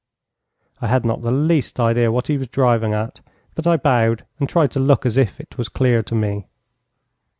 I had not the least idea what he was driving at, but I bowed and tried to look as if it was clear to me.